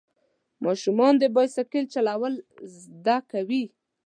ماشومان د بایسکل چلول زده کوي.